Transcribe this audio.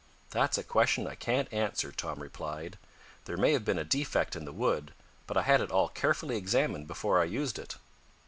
"That's a question I can't answer," Tom replied. "There may have been a defect in the wood, but I had it all carefully examined before I used it."